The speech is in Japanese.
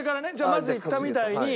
まず言ったみたいに。